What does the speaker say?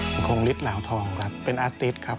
ผมคงฤทธิ์เหล่าทองครับเป็นอาติสต์ครับ